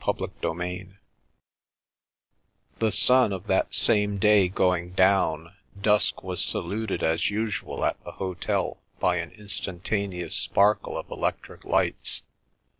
CHAPTER XIV The sun of that same day going down, dusk was saluted as usual at the hotel by an instantaneous sparkle of electric lights.